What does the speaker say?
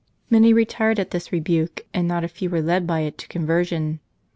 Many retired at this rebuke, and not a few were led by it to conversion.